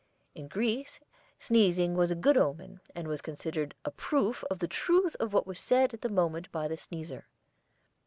In Greece sneezing was a good omen and was considered a proof of the truth of what was said at the moment by the sneezer.